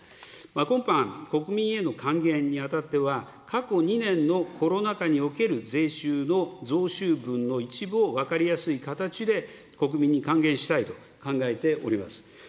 今般、国民への還元にあたっては、過去２年のコロナ禍における税収の増収分の一部を、分かりやすい形で国民に還元したいと考えております。